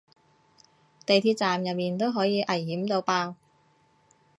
地鐵站入面都可以危險到爆